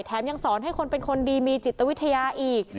ยังสอนให้คนเป็นคนดีมีจิตวิทยาอีก